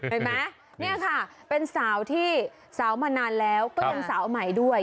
เห็นไหมเนี่ยค่ะเป็นสาวที่สาวมานานแล้วก็ยังสาวใหม่ด้วย